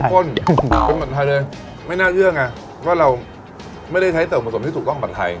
พร้อมกันไดได้ไม่น่าเชื่อไงว่าเราไม่ได้ใช้เติมผสมที่ถูกต้องกับไทย